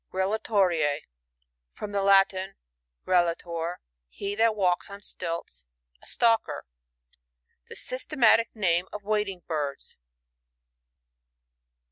Grallatori^ — From the Latin, grallator^ be that walks on stilts ; a stalker. The systematic name of Wading birds.